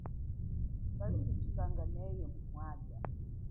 Twali chikanga nenyi mu mamwalwa.